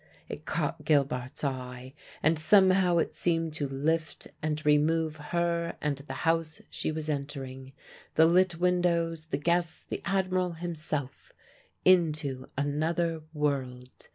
It caught Gilbart's eye, and somehow it seemed to lift and remove her and the house she was entering the lit windows, the guests, the Admiral himself into another world.